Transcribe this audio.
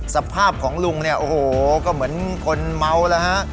สภาพของลุงเนี่ยโอ้โหก็เหมือนคนเมาแล้วฮะ